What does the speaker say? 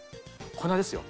粉ですよ。